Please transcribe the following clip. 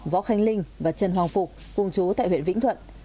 võ khánh linh và trần hoàng phục cùng chú tại huyện vĩnh thuận